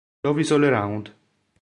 Love Is All Around